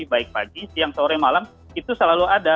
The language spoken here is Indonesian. baik pagi siang sore malam itu selalu ada